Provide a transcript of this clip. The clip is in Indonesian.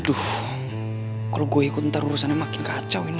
aduh kalau gue ikut ntar urusannya makin kacau ini